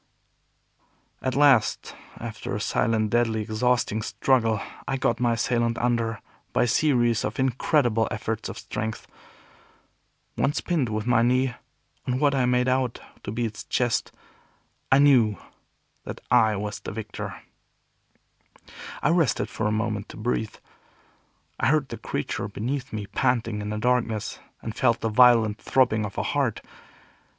At last, after a silent, deadly, exhausting struggle, I got my assailant under by a series of incredible efforts of strength. Once pinned, with my knee on what I made out to be its chest, I knew that I was victor. I rested for a moment to breathe. I heard the creature beneath me panting in the darkness, and felt the violent throbbing of a heart.